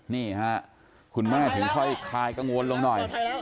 นี่ค่ะคุณแม่ถึงค่อยคลายกังวลลงหน่อย